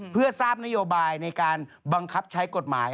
เพื่อทราบนโยบายในการบังคับใช้กฎหมาย